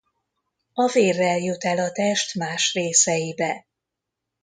A vérrel jut el a test más részeibe.